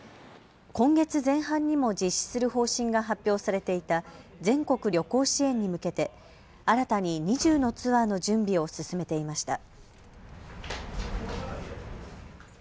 今月前半にも実施する方針が発表されていた全国旅行支援に向けて新たに２０のツアーの準備を進めていました。